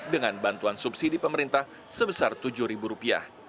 dengan bantuan subsidi pemerintah sebesar rp tujuh